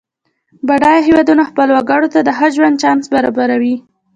بډایه هېوادونه خپلو وګړو ته د ښه ژوند چانس برابروي.